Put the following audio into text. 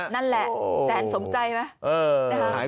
นั่นแหละแสนสมใจไหม